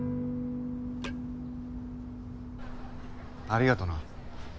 ありがとな。